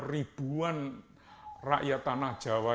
ribuan rakyat tanah jawa